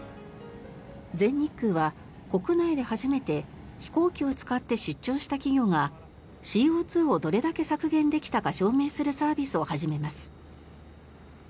全日空は国内で初めて飛行機を使って出張した企業がＣＯ２をどれだけ削減できたか証明するサービスを始めます。